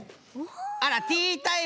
あらティータイムじゃ。